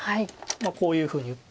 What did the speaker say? こういうふうに打って。